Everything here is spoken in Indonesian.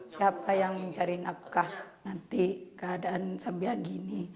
siapa yang mencari nafkah nanti keadaan sampai gini